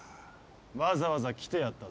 わざわざ来てやったぜ。